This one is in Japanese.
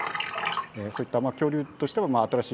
そういった恐竜としては新しい特徴。